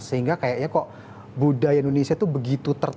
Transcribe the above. sehingga kayaknya kok budaya indonesia itu begitu terkenal